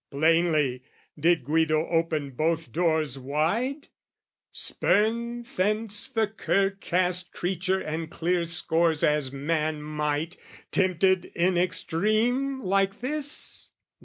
Plainly, did Guido open both doors wide, Spurn thence the cur cast creature and clear scores As man might, tempted in extreme like this?